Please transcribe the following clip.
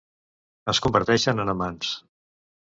Es converteixen en amants.